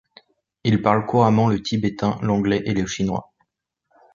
Il parle couramment le tibétain, l'anglais et le chinois.